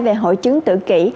về hội chứng tự kỷ